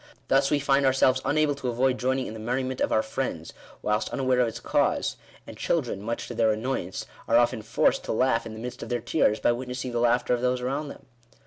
Thus, we find ourselves unable to avoid joining in the merriment of our friends, whilst unaware of its cause ; and children, much to their annoyance, are often forced to laugh in the midst of their tears, by witnessing the laughter of those around them.